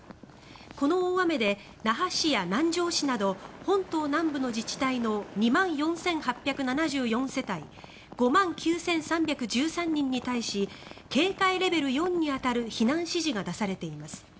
この大雨で那覇市や南城市など本島南部の自治体の２万４８７４世帯５万９３１３人に対し警戒レベル４に当たる避難指示が出されています。